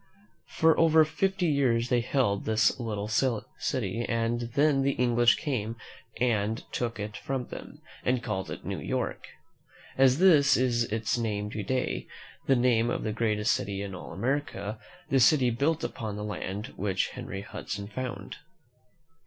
For over fifty years they held this little city, and then the Eng lish came and took it from them, and called it New York. And this is its name to day, the name of the greatest city in all America, the city built upon the land which Henry Hudson found.